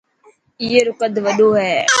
اي رو قد وڏو هي.